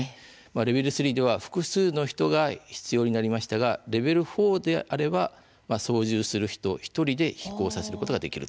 レベル３では複数の人が必要になりましたがレベル４であれば操縦する人、１人で飛行させることができる。